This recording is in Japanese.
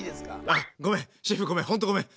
あっごめんシェフごめんほんとごめん。